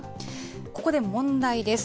ここで問題です。